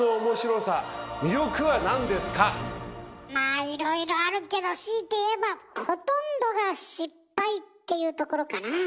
まあいろいろあるけど強いて言えばっていうところかなあ。